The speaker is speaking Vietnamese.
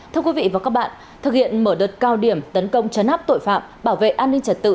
thưa quý vị và các bạn thực hiện mở đợt cao điểm tấn công chấn áp tội phạm bảo vệ an ninh trật tự